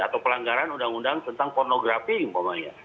atau pelanggaran undang undang tentang pornografi umpamanya